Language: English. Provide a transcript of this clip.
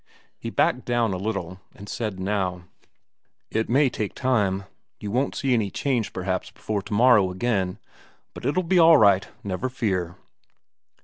He backed down a little, and said now: "It may take time you won't see any change perhaps before tomorrow again. But it'll be all right, never fear."